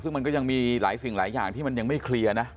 ซึ่งมันก็ยังมีหลายสิ่งหลายอย่างที่มันยังไม่เคลียร์นะ